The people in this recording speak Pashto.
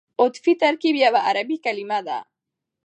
عطفي ترکیب یوه عربي کلیمه ده.